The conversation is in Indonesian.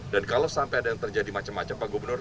dan kalau sampai ada yang terjadi macam macam pak gubernur